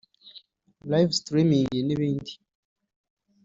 Live Streaming n’ibindi